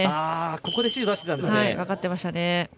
ここで指示を出してたんですね。